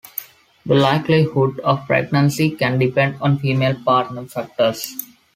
The likelihood of pregnancy can depend on female partner factors.